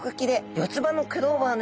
四つ葉のクローバーのように。